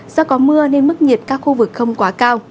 do có mưa nên mức nhiệt các khu vực không quá cao